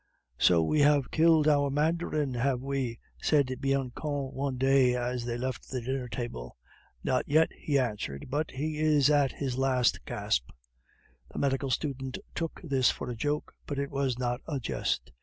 "So we have killed our mandarin, have we?" said Bianchon one day as they left the dinner table. "Not yet," he answered, "but he is at his last gasp." The medical student took this for a joke, but it was not a jest.